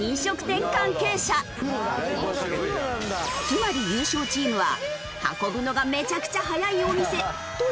つまり優勝チームは運ぶのがめちゃくちゃ速いお店という評価に直結。